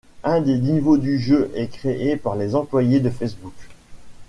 Un des niveaux du jeu est créé par les employés de Facebook.